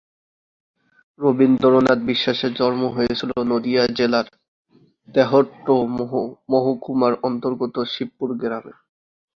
বীরেন্দ্রনাথ বিশ্বাসের জন্ম হয়েছিল নদিয়া জেলার তেহট্ট মহকুমার অন্তর্গত শিবপুর গ্রামে।